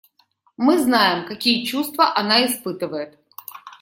Мы знаем, какие чувства она испытывает.